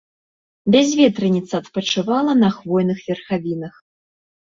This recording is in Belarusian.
Бязветраніца адпачывала на хвойных верхавінах.